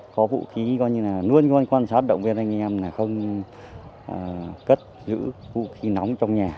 có vũ khí luôn quan sát động viên anh em là không cất giữ vũ khí nóng trong nhà